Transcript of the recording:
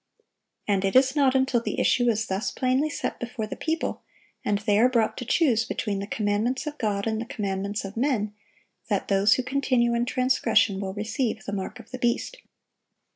And it is not until the issue is thus plainly set before the people, and they are brought to choose between the commandments of God and the commandments of men, that those who continue in transgression will receive "the mark of the beast."